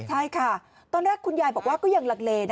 ใช่ค่ะตอนแรกคุณยายบอกว่าก็ยังลังเล